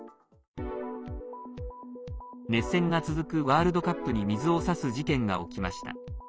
熱戦が続くワールドカップに水をさす事件が起きました。